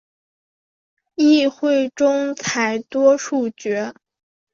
议会中采多数决。